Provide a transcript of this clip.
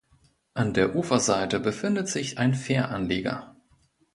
An der Uferseite befindet sich ein Fähranleger.